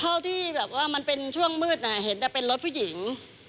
เท่าที่แบบว่ามันเป็นช่วงมืดเห็นแต่เป็นรถผู้หญิง